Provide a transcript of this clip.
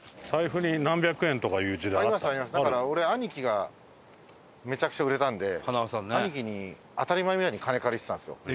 だから俺兄貴がめちゃくちゃ売れたんで兄貴に当たり前みたいに金借りてたんですよ。